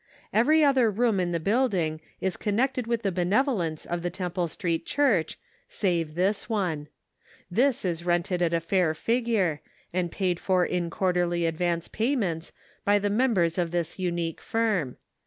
Every other room in the building is connected with the benevolence of the Temple Street Church save this one. This is rented at a fair figure, and paid for in quarterly advance payments by the members of this unique firm.